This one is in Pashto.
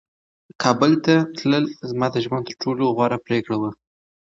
کابل ته تلل زما د ژوند تر ټولو غوره پرېکړه وه.